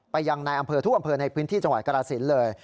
ยังในอำเภอทุกอำเภอในพื้นที่จังหวัดกรสินเลย